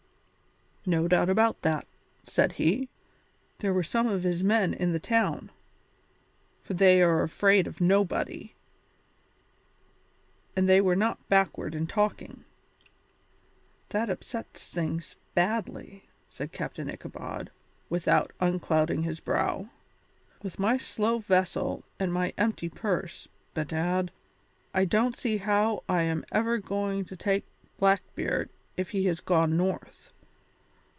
"No doubt about that," said he; "there were some of his men in the town for they are afraid of nobody and they were not backward in talking." "That upsets things badly," said Captain Ichabod, without unclouding his brow. "With my slow vessel and my empty purse, bedad, I don't see how I am ever goin' to catch Blackbeard if he has gone north.